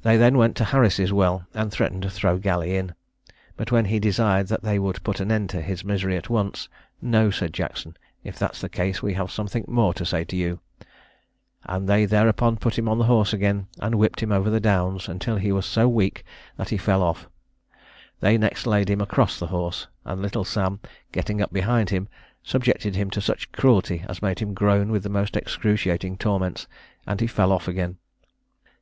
They then went to Harris' well, and threatened to throw Galley in; but when he desired that they would put an end to his misery at once, "No," said Jackson, "if that's the case, we have something more to say to you;" and they thereupon put him on the horse again, and whipped him over the Downs until he was so weak that he fell off. They next laid him across the horse, and little Sam, getting up behind him, subjected him to such cruelty as made him groan with the most excruciating torments, and he fell off again.